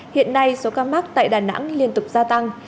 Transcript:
hiện nay số ca mắc tại đà nẵng liên tục gia tăng